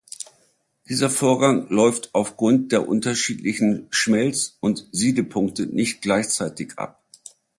Dieser Vorgang läuft aufgrund der unterschiedlichen Schmelz- und Siedepunkte nicht gleichzeitig ab.